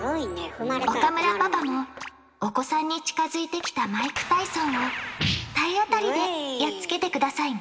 岡村パパもお子さんに近づいてきたマイク・タイソンを体当たりでやっつけて下さいね！